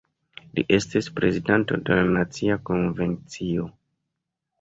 Li estis prezidanto de la Nacia Konvencio.